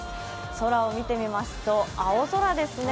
空を見てみますと青空ですね。